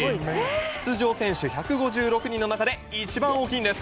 出場選手１５６人の中で一番大きいんです。